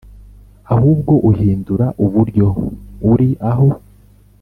ahubwo uhindura uburyo uri aho: